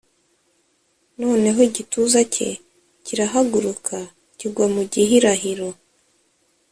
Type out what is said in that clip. noneho igituza cye kirahaguruka kigwa mu gihirahiro.